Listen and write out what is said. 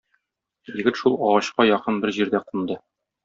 Егет шул агачка якын бер җирдә кунды.